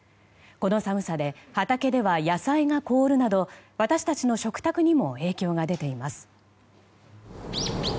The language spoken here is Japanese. この寒さで畑では野菜が凍るなど私たちの食卓にも影響が出ています。